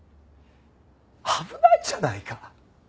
危ないじゃないか！